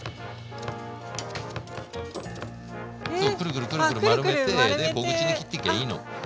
くるくるくる丸めて小口に切ってきゃいいの。